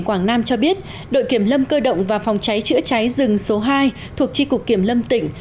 quảng nam cho biết đội kiểm lâm cơ động và phòng cháy chữa cháy rừng số hai thuộc tri cục kiểm lâm tỉnh